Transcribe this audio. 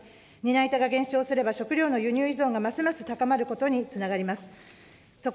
担い手が減少すれば、食料の輸入依存がますます高まることにつながります。